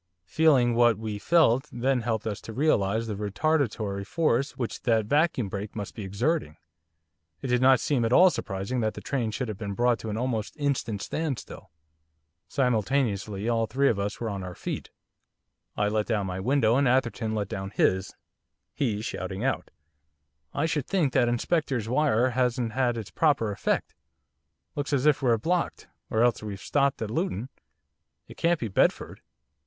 Feeling what we felt then helped us to realise the retardatory force which that vacuum brake must be exerting, it did not seem at all surprising that the train should have been brought to an almost instant standstill. Simultaneously all three of us were on our feet. I let down my window and Atherton let down his, he shouting out, 'I should think that Inspector's wire hasn't had it's proper effect, looks as if we're blocked or else we've stopped at Luton. It can't be Bedford.